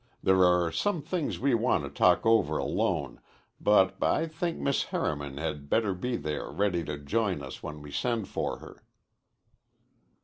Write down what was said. There are some things we want to talk over alone, but I think Miss Harriman had better be there ready to join us when we send for her."